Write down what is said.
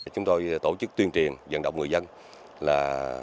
chúng tôi tổ chức tuyên truyền dẫn động người dân là